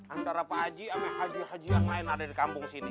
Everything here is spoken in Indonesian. antara pak haji sama haji haji yang lain ada di kampung sini